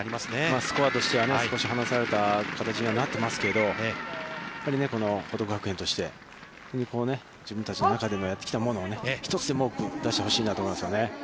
スコアとしては少し離された形にはなっていますけど、やっぱり報徳学園として、本当に自分たちの中でやってきたものを一つでも多く出してほしいなと思いますね。